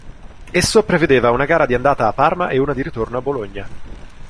Esso prevedeva una gara di andata a Parma e una di ritorno a Bologna.